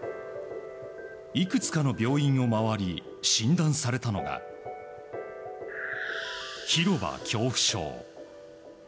いくつかの病院を回り診断されたのが広場恐怖症。